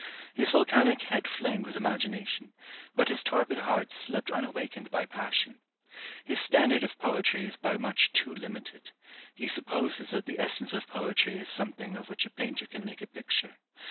His volcanic head flamed with imagination, but his torpid heart slept unawakened by passion. His standard of poetry is by much too limited; he supposes that the essence of poetry is something of which a painter can make a picture.